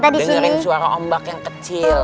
dengerin suara ombak yang kecil